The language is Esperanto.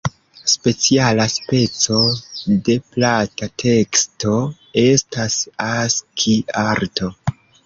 Speciala speco de plata teksto estas Aski-arto.